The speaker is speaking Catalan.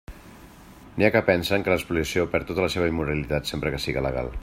N'hi ha que pensen que l'espoliació perd tota la seua immoralitat sempre que siga legal.